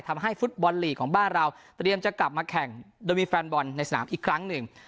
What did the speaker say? ทำให้ฟุตบอลลีกของบ้านเราเตรียมจะกลับมาแข่งโดยมีแฟนบอลในสนามอีกครั้งหนึ่ง